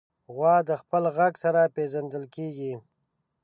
غوا د خپل غږ سره پېژندل کېږي.